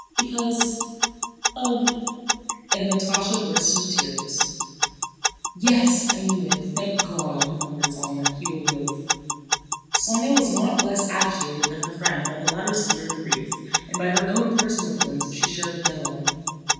because... of..." and Natásha burst into tears. "Yes! I knew it! Thank God!" murmured Sónya. "He will live." Sónya was not less agitated than her friend by the latter's fear and grief and by her own personal feelings which she shared with no one.